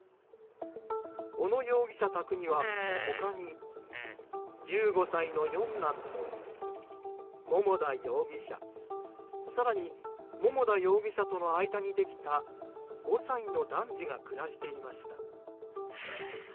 小野容疑者宅には他に１５歳の四男と桃田容疑者更に、桃田容疑者との間にできた５歳の男児が暮らしていました。